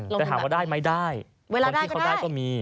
แต่หากว่าได้ไม่ได้เวลาได้ก็ได้